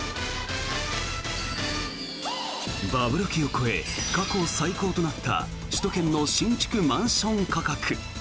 バブル期を超え過去最高となった首都圏の新築マンション価格。